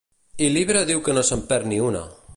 I l'Ibra diu que no se'n perd ni una!